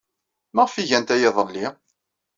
Maɣef ay gant aya iḍelli?